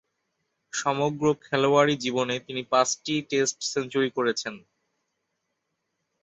সমগ্র খেলোয়াড়ী জীবনে তিনি পাঁচটি টেস্ট সেঞ্চুরি করেছেন।